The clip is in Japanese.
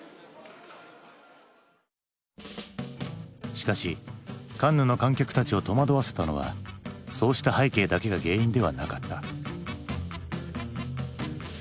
しかしカンヌの観客たちを戸惑わせたのはそうした背景だけが原因ではなかった。